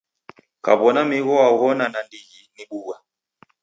Kaw'ona migho waghona nandighi ni bugha!